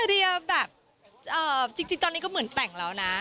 เรียแบบจริงตอนนี้ก็เหมือนแต่งแล้วนะ